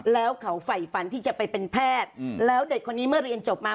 แล้วเขาไฝฝันที่จะไปเป็นแพทย์แล้วเด็กคนนี้เมื่อเรียนจบมา